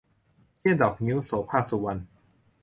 เสี้ยนดอกงิ้ว - โสภาค สุวรรณ